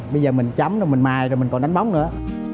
bây giờ mình chấm rồi mình mài rồi mình còn đánh bóng nữa